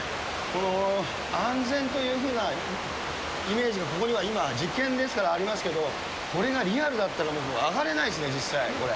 この、安全というふうなイメージがここには今、実験ですからありますけど、これがリアルだったらもう上がれないですね、実際、これ。